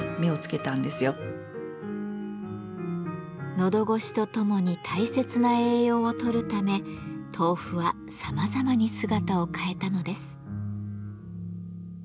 のど越しとともに大切な栄養をとるため豆腐はさまざまに姿を変えたのです。